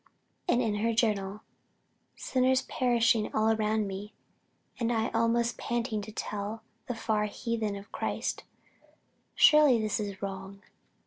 And in her journal "Sinners perishing all around me, and I almost panting to tell the far heathen of Christ! Surely this is wrong.